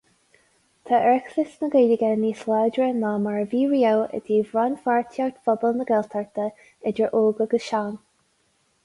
Tá Oireachtas na Gaeilge níos láidre ná mar a bhí riamh i dtaobh rann-pháirtíocht phobal na Gaeltachta, idir óg agus sean.